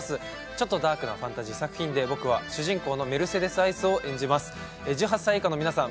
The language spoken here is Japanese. ちょっとダークなファンタジー作品で僕は主人公のメルセデス・アイスを演じます１８歳以下の皆さん